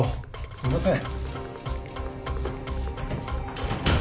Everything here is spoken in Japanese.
すいません。